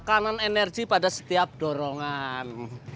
tekanan energi pada setiap dorongan